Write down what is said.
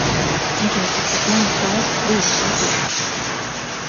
Viņš jau ir tikpat jauns kā es – Krievijas latvietis.